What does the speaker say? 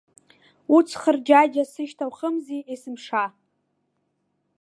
Уц хырџьаџьа сышьҭа ухымзи есымша.